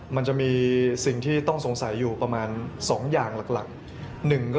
มันจะมีสิ่งที่ต้องสงสัยอยู่ประมาณ๒อย่างหลัก